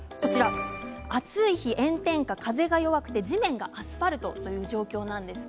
暑い日の炎天下風が弱くて地面がアスファルトという状況です。